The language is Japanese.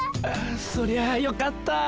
あそりゃあよかった！